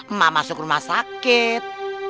emak masuk rumah sakit